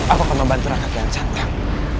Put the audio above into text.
apa kau mau bantu rai kian santang